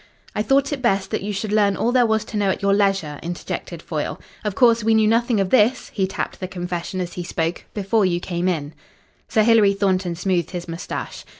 "I thought it best that you should learn all there was to know at your leisure," interjected Foyle. "Of course, we knew nothing of this" he tapped the confession as he spoke "before you came in." Sir Hilary Thornton smoothed his moustache.